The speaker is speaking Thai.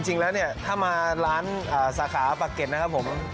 จริงแล้วเนี่ยถ้ามาร้านสาขาปะเก็ตนะครับผม